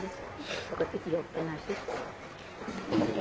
แล้วก็ปิดหยุดเป็นอาชิก